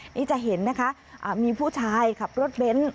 นี่จะเห็นนะคะมีผู้ชายขับรถเบนท์